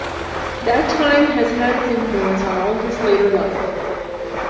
That time has had its influence on all his later life.